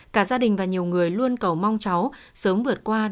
cả gia đình và nhiều người luôn cầu mong cháu sớm vượt qua